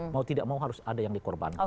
mau tidak mau harus ada yang dikorbankan